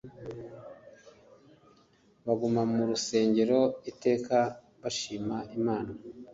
baguma mu rusengero iteka bashima imana